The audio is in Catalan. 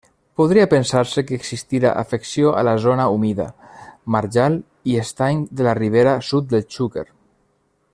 Podria pensar-se que existira afecció a la zona humida: marjal i estany de la ribera sud del Xúquer.